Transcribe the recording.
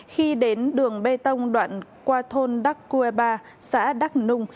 khi đến đường bê tông đoạn qua thôn đắk cua ba xã đắk nung